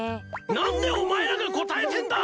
何でお前らが答えてんだ！